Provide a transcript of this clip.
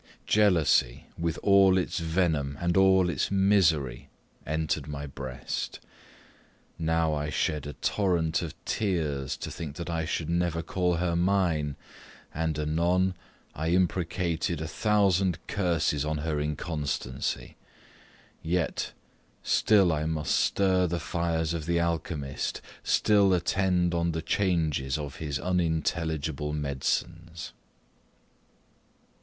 Jealousy, with all its venom, and all its misery, entered my breast. Now I shed a torrent of tears, to think that I should never call her mine; and, anon, I imprecated a thousand curses on her inconstancy. Yet, still I must stir the fires of the alchymist, still attend on the changes of his unintelligible medicines.